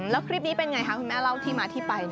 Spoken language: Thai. แล้วคลิปนี้เป็นไงคะคุณแม่เล่าที่มาที่ไป